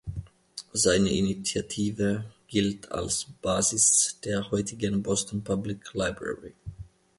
Seine Initiative gilt als Basis der heutigen Boston Public Library.